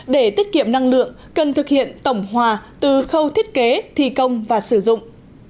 để tiết kiệm năng lượng cần thực hiện tổng hòa từ khâu thiết kế thi công và sử dụng